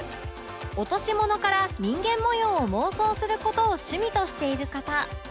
落とし物から人間模様を妄想する事を趣味としている方